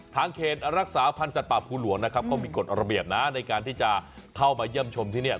เขตรักษาพันธ์สัตว์ป่าภูหลวงนะครับเขามีกฎระเบียบนะในการที่จะเข้ามาเยี่ยมชมที่นี่